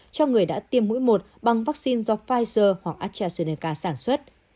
cho người đã tiêm mũi một bằng vaccine do pfizer hoặc astrazeneca sản xuất